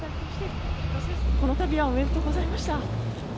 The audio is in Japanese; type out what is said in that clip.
このたびはおめでとうございました。